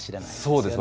そうです。